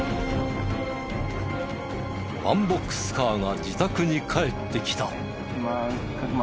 ワンボックスカーが自宅に帰ってきた。